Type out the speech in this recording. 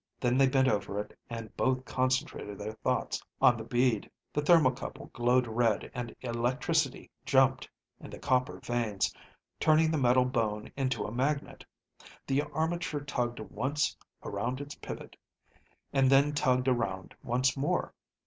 Then they bent over it and both concentrated their thoughts on the bead. The thermocouple glowed red, and electricity jumped in the copper veins, turning the metal bone into a magnet. The armature tugged once around its pivot, and then tugged around once more.